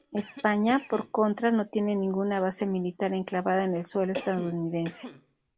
España, por contra, no tiene ninguna base militar enclavada en suelo estadounidense.